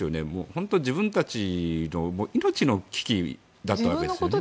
本当に自分たちの命の危機だったわけですよね。